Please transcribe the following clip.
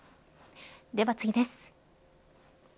では次です。